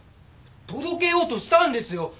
届けようとしたんですよ。